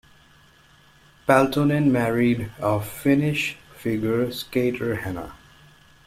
Peltonen married a Finnish figure skater, Hanna.